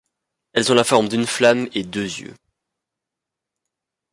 Elles ont la forme d'une flamme et deux yeux.